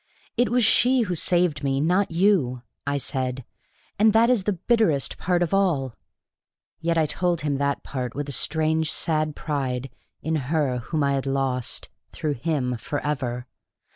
"It was she who saved me, not you," I said. "And that is the bitterest part of all!" Yet I told him that part with a strange sad pride in her whom I had lost through him forever.